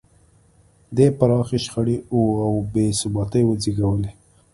دې پراخې شخړې او بې ثباتۍ وزېږولې.